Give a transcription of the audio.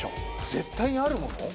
絶対にあるもの？